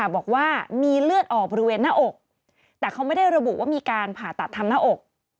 บอกว่ามีเลือดออกบริเวณหน้าอกแต่เขาไม่ได้ระบุว่ามีการผ่าตัดทำหน้าอก